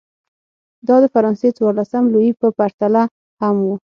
دا د فرانسې څوارلسم لويي په پرتله هم و.